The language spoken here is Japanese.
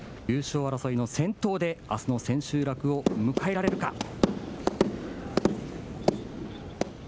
優勝争いの先頭であすの千秋楽を迎えられるか。